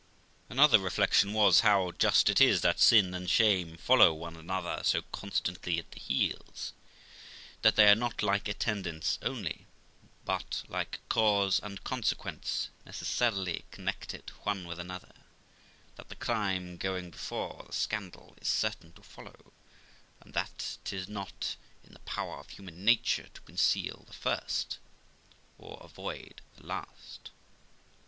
Another reflection was, how just it is that sin and shame follow one another so constantly at the heels; that they are not like attendants only, but, like cause and consequence, necessarily connected one with another; that the crime going before,' the scandal is certain to follow ; and that 'tis not in the power of human nature to conceal the first, or avoid the last.